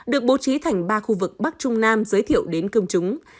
được bố trí thành ba khu vực bắc trung nam giới thiệu đến công chúng